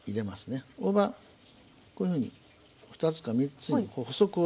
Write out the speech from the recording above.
大葉こういうふうに２つか３つにこう細く折って。